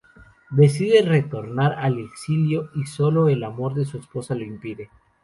Decide retornar al exilio, y solo el amor de su esposa lo impide.